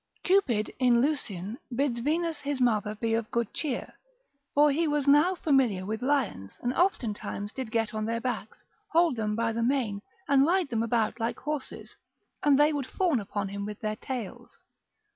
Cupid in Lucian bids Venus his mother be of good cheer, for he was now familiar with lions, and oftentimes did get on their backs, hold them by the mane, and ride them about like horses, and they would fawn upon him with their tails.